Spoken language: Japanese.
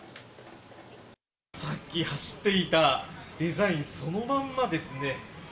さっき走っていたデザインそのまんまですね。